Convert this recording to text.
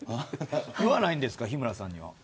言わないんですか日村さんには。